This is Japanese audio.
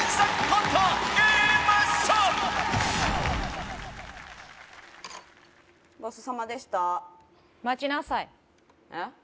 ごちそうさまでした待ちなさいえっ？